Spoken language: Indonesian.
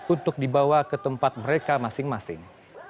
untuk dibawa ke tempat mereka masing masing